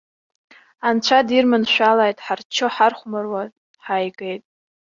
Анцәа дирманшәалааит, ҳарччо, ҳархәмаруа ҳааигеит.